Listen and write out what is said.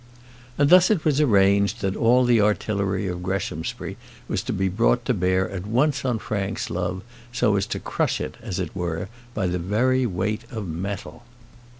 And thus it was arranged that all the artillery of Greshamsbury was to be brought to bear at once on Frank's love, so as to crush it, as it were, by the very weight of metal.